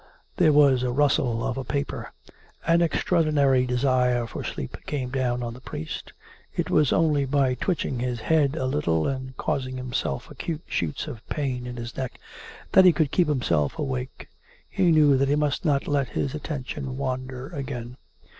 There was the rustle of a paper. An extraordinary de sire for sleep came down on the priest; it was only by twitching his head a little, and causing himself acute shoots of pain in his neck that he could keep himself awake. He knew that he must not let his attention wander again.